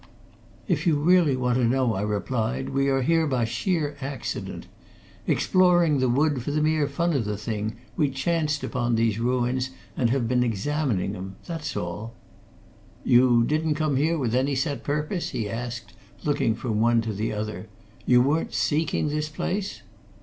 "If you really want to know," I replied, "we are here by sheer accident. Exploring the wood for the mere fun of the thing, we chanced upon these ruins and have been examining them, that's all?" "You didn't come here with any set purpose?" he asked, looking from one to the other. "You weren't seeking this place?"